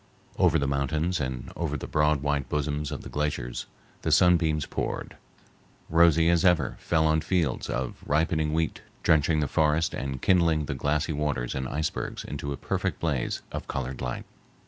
Over the mountains and over the broad white bosoms of the glaciers the sunbeams poured, rosy as ever fell on fields of ripening wheat, drenching the forests and kindling the glassy waters and icebergs into a perfect blaze of colored light.